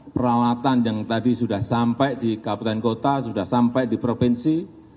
peralatan yang tadi sudah sampai di kabupaten kota sudah sampai di provinsi